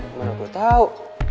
gimana gua tau